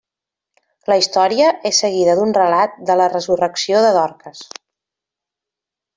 La història és seguida d'un relat de la resurrecció de Dorques.